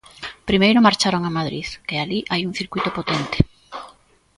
Primeiro marcharon a Madrid, que alí hai un circuíto potente.